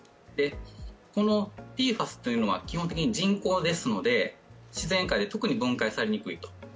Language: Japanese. このＰＦＡＳというのは、基本的に人工ですので自然界で特に分解されにくいと。